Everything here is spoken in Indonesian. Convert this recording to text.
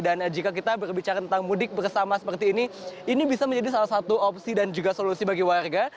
dan jika kita berbicara tentang mudik bersama seperti ini ini bisa menjadi salah satu opsi dan juga solusi bagi warga